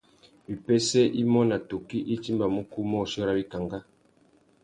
Wipêssê imô nà tukí i timbamú ukúmôchï râ wikangá.